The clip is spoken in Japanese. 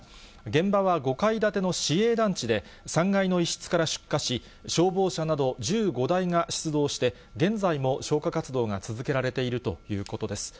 現場は５階建ての市営団地で、３階の一室から出火し、消防車など１５台が出動して、現在も消火活動が続けられているということです。